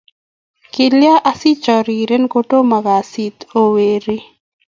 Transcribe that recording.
Kalyan asichariren ko tomo kasit ooh weri